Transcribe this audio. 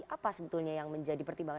apa sebetulnya yang menjadi pertimbangan